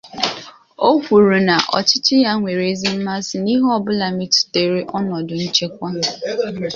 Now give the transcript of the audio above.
O kwuru na ọchịchị ya nwere ezi mmasị n'ihe ọbụla metụtara ọnọdụ nchekwa